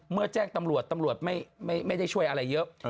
แจ้งตำรวจตำรวจไม่ได้ช่วยอะไรเยอะ